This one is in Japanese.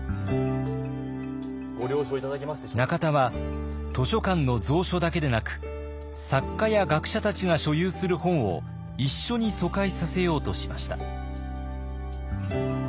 中田は図書館の蔵書だけでなく作家や学者たちが所有する本を一緒に疎開させようとしました。